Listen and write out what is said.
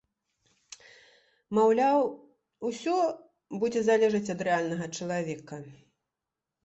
Маўляў, усё будзе залежаць ад рэальнага чалавека.